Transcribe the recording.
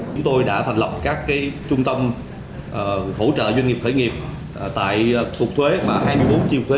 chúng tôi đã thành lập các cái trung tâm hỗ trợ doanh nghiệp khởi nghiệp tại cục thuế hai mươi bốn triệu thuế